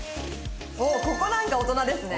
おっここなんか大人ですね。